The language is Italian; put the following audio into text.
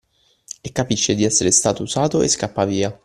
E capisce di essere stato usato e scappa via